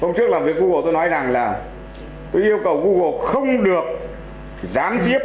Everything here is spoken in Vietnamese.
hôm trước làm việc google tôi nói rằng là tôi yêu cầu google không được gián tiếp